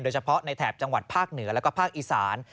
เฉพาะในแถบจังหวัดภาคเหนือแล้วก็ภาคอีสาน